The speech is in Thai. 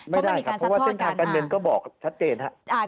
ไม่ได้ครับเพราะว่าเส้นทางการเงินก็บอกชัดเจนครับ